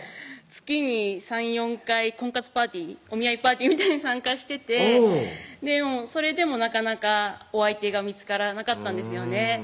月に３４回婚活パーティーお見合いパーティーみたいなのに参加しててそれでもなかなかお相手が見つからなかったんですよね